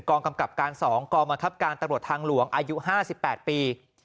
กำกับการ๒กองบังคับการตำรวจทางหลวงอายุ๕๘ปี